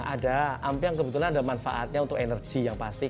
ada ampiang kebetulan ada manfaatnya untuk energi yang pasti